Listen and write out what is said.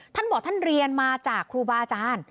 ท่านบอกท่านเรียนมาจากครูบาอาจารย์